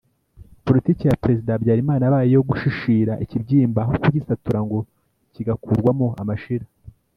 Politiki ya Prezida Habyarimana yabaye iyo gushishira ikibyimba aho kugisatura ngo kigakurwamo amashira